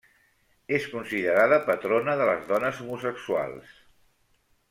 És considerada patrona de les dones homosexuals.